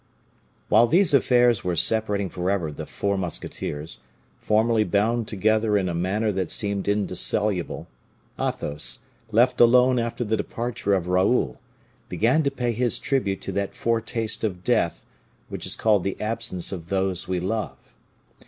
While these affairs were separating forever the four musketeers, formerly bound together in a manner that seemed indissoluble, Athos, left alone after the departure of Raoul, began to pay his tribute to that foretaste of death which is called the absence of those we love.